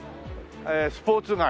スポーツ街。